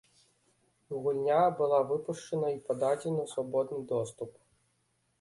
Гульня была выпушчана і пададзена ў свабодны доступ.